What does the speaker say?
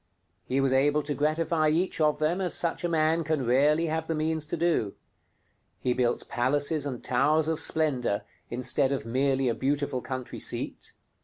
He was able to gratify each of them as such a man can rarely have the means to do. He built palaces and towers of splendor instead of merely a beautiful country seat.